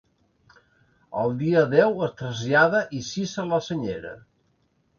El dia deu es trasllada i s'hissa la senyera.